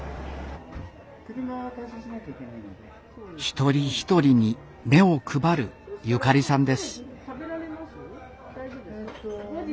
一人一人に目を配るゆかりさんです。